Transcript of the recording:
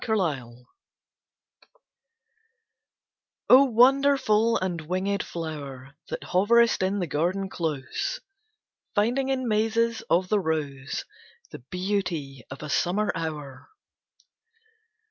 THE BUTTERFLY I O wonderful and wingèd flow'r, That hoverest in the garden close, Finding in mazes of the rose, The beauty of a Summer hour!